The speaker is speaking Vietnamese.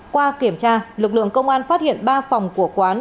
qua kiểm tra lực lượng công an phát hiện ba phòng của quán